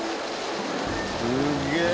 すげえ！